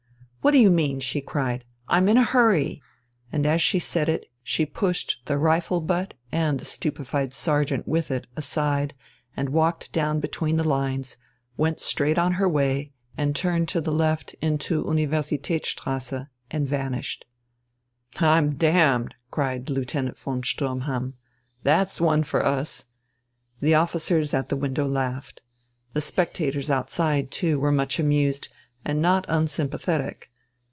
"What d'you mean?" she cried. "I'm in a hurry!" And as she said it she pushed the rifle butt, and the stupefied sergeant with it, aside, and walked down between the lines, went straight on her way, turned to the left into Universitätsstrasse and vanished. "I'm dammed!" cried Lieutenant von Sturmhahn. "That's one for us!" The officers at the window laughed. The spectators outside, too, were much amused, and not unsympathetic.